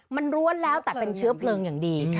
มันร้วนแล้วแต่เป็นเชื้อเพลิงอย่างดี